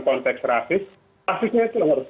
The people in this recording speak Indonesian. konteks rasis rasisnya itu yang harus